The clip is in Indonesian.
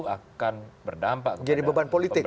akan berdampak menjadi beban politik